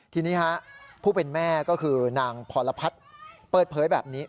ทีนี้ฮะผู้เป็นแม่ก็คือนางพรพัฒน์เปิดเผยแบบนี้